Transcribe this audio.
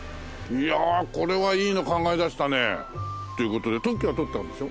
いやこれはいいの考え出したね。という事で特許は取ったんでしょ？